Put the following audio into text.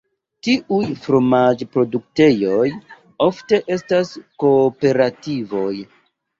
Tiuj fromaĝ-produktejoj, ofte estas kooperativoj.